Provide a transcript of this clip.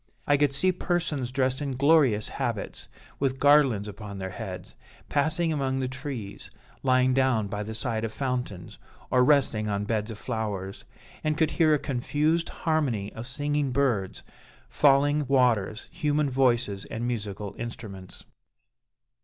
I could see persons dressed in glorious habits with garlands upon their heads, passing among the trees, lying down by the side of fountains, or resting on beds of flowers; and could hear a confused harmony of singing birds, falling waters, human voices, and musical instruments.